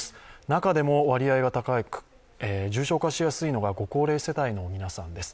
中でも割合が高く重症者しやすいのはご高齢世代の方々です。